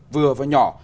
vừa và nhỏ